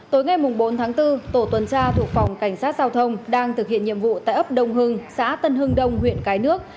tối ngày bốn tháng bốn tổ tuần tra thuộc phòng cảnh sát giao thông đang thực hiện nhiệm vụ tại ấp đông hưng xã tân hưng đông huyện cái nước